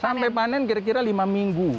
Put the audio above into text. sampai panen kira kira lima minggu